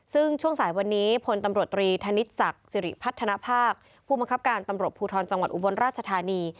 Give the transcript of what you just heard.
ซึ่งช่วงสายวันนี้พลตำรวจตรีธนิษฐศักดิ์สิริพัฒนภาคผู้มังคับการตำรวจภูทรจังหวัดอุบลราชธานี